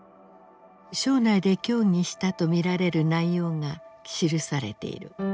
省内で協議したと見られる内容が記されている。